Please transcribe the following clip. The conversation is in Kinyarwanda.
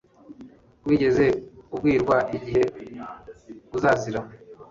Wigeze ubwirwa igihe uzazira